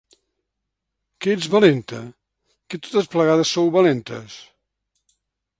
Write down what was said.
Que ets valenta, que totes plegades sou valentes?